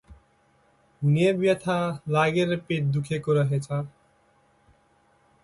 हुने व्यथा लागेर पेट दुखेको रहेछ ।